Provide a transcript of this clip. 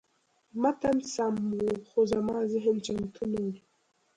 متن سم و، خو زما ذهن چمتو نه و.